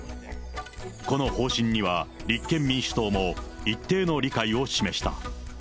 この方針には、立憲民主党も一定の理解を示した。